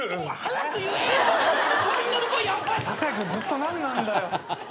酒井君ずっと何なんだよ。